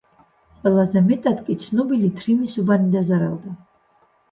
ყველაზე მეტად კი ცნობილი თრიმის უბანი დაზარალდა.